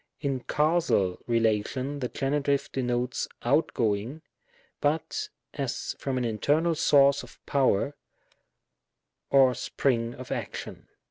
In Causal relation, the Genitive denotes out going, but as from an internal source of power, or spring of action.